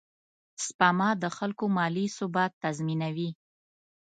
سپما د خلکو مالي ثبات تضمینوي.